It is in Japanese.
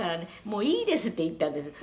“もういいです”って言ったんです」